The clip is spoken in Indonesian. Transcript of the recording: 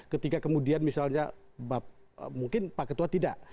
ketika kemudian misalnya mungkin pak ketua tidak